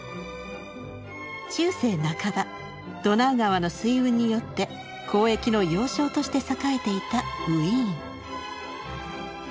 中世半ばドナウ川の水運によって交易の要衝として栄えていたウィーン。